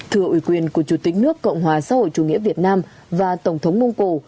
thừa ủy quyền của chủ tịch nước cộng hòa xã hội chủ nghĩa việt nam và tổng thống mông cổ